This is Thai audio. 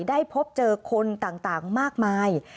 ได้พบเจอคนต่างมากมาย